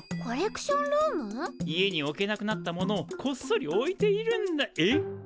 家に置けなくなったものをコッソリ置いているんだえっ？